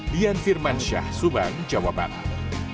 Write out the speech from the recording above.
dian firman syah subang jawa barat